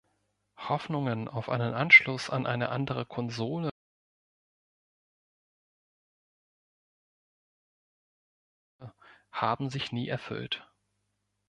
Hoffnungen auf einen Anschluss an eine andere Konsole haben sich nie erfüllt.